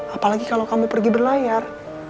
apalagi kalau kamu pergi berlayar